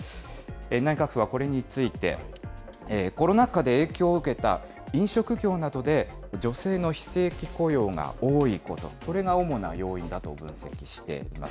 内閣府はこれについて、コロナ禍で影響を受けた飲食業などで、女性の非正規雇用が多いこと、これが主な要因だと分析しています。